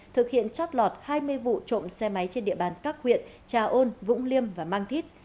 thực hiện trót lọt hai mươi vụ trộm xe máy trên địa bàn các huyện trà ôn vũng liêm và mang thít